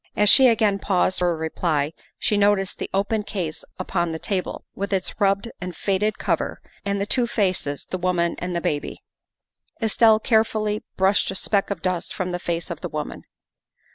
As she again paused for a reply she noticed the open case upon the table, with its rubbed and faded cover and the two faces, the woman and the baby. Estelle carefully brushed a speck of dust from the face of the woman.